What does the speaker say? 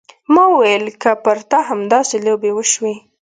ما وويل که پر تا همداسې لوبې وشي.